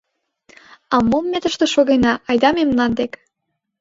А мом ме тыште шогена, айда мемнан дек!